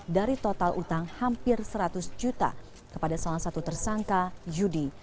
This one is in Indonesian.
dari total utang hampir seratus juta kepada salah satu tersangka yudi